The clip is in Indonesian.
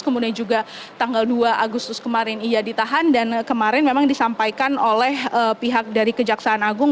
kemudian juga tanggal dua agustus kemarin ia ditahan dan kemarin memang disampaikan oleh pihak dari kejaksaan agung